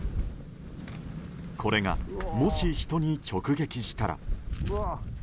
これがもし、人に直撃したら。